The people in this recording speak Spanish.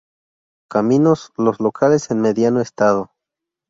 Caminos, los locales en mediano estado.